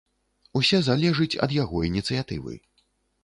Усе залежыць ад яго ініцыятывы.